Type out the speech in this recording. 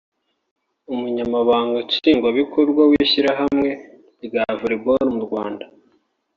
Umunyamabanga Nshingwabikorwa w’Ishyirahamwe rya Volleyball mu Rwanda